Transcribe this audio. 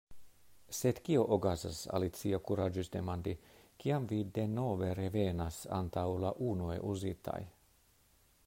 "Sed kio okazas," Alicio kuraĝis demandi, "kiam vi denove revenas antaŭ la unue uzitaj?"